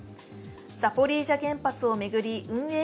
ザポリージャ原発を巡り運営